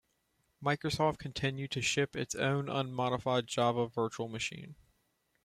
Microsoft continued to ship its own unmodified Java virtual machine.